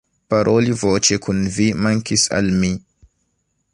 Paroli voĉe kun vi mankis al mi